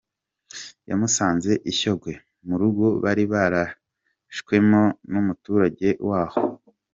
Yamusanze i Shyogwe, mu rugo bari barahishwemo n’umuturage waho.